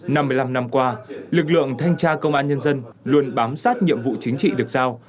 năm một mươi năm năm qua lực lượng thanh tra công an nhân dân luôn bám sát nhiệm vụ chính trị được giao